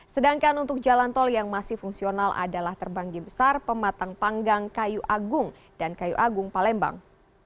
sedangkan untuk jalan tol yang masih fungsional adalah terbanggi besar pematang panggang kayu agung dan kayu agung palembang